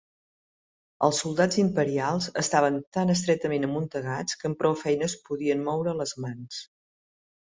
Els soldats imperials estaven tan estretament amuntegats que amb prou feines podien moure les mans.